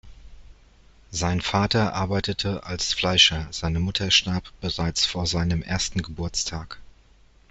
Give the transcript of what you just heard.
Sein Vater arbeitete als Fleischer, seine Mutter starb bereits vor seinem ersten Geburtstag.